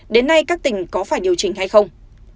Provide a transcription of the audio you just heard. đến nay các tỉnh có phải điều chỉnh hay không